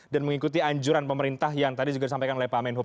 dan mengikuti anjuran pemerintah yang tadi juga disampaikan oleh pak menhoop